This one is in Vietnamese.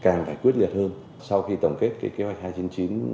càng phải quyết liệt hơn sau khi tổng kết cái kế hoạch hai trăm chín mươi chín